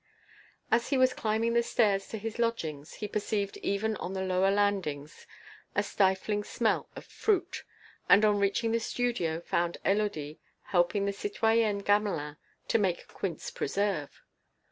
As he was climbing the stairs to his lodgings, he perceived even on the lower landings a stifling smell of fruit, and on reaching the studio, found Élodie helping the citoyenne Gamelin to make quince preserve.